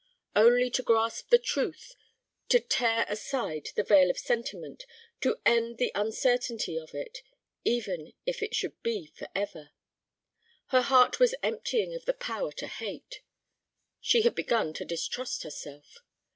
Only to grasp the truth, to tear aside the veil of sentiment, to end the uncertainty of it, even if it should be forever! Her heart was emptying of the power to hate. She had begun to distrust herself.